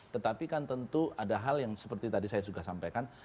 tetapi kan tentu ada hal yang seperti tadi saya sudah sampaikan